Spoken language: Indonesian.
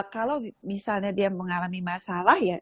kalau misalnya dia mengalami masalah ya